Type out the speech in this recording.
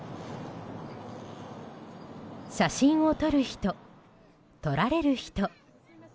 写真を撮る人、撮られる人。